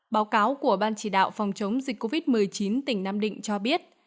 báo cáo của ban chỉ đạo phòng chống dịch covid một mươi chín tỉnh nam định cho biết